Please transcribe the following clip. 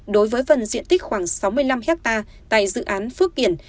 đối với phần diện tích khoảng sáu mươi năm hectare tại dự án phước kiển